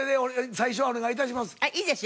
最初はお願い致します。